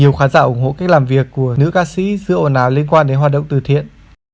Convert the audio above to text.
nhiều khán giả ủng hộ cách làm việc của nữ ca sĩ giữa ồn à liên quan đến hoạt động từ thiện